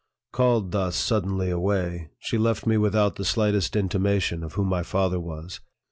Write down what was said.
Called thus suddenly away, she left me without the slightest intimation of who my father was.